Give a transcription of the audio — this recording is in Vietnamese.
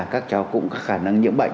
các cháu cũng có khả năng nhiễm bệnh